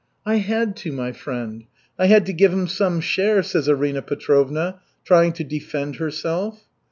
"I had to, my friend. I had to give him some share," says Arina Petrovna, trying to defend herself.